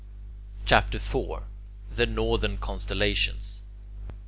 CHAPTER IV THE NORTHERN CONSTELLATIONS 1.